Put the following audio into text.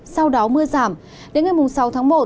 sau đó mưa giảm đến ngày sáu tháng một